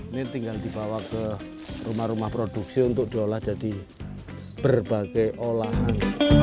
ini tinggal dibawa ke rumah rumah produksi untuk diolah jadi berbagai olahan